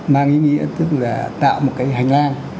mang ý nghĩa tức là tạo một cái hành lang